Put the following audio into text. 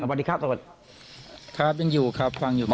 สวัสดีครับสวัสดีครับยังอยู่ครับฟังอยู่